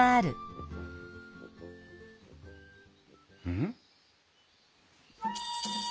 うん？